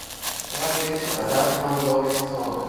Track listing adapted from "Rolling Stone".